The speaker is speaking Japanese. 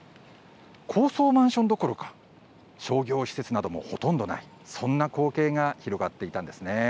高層マンションどころか商業施設などほとんどないそんな光景が広がっているんです。